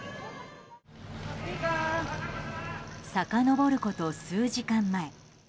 さかのぼること数時間前。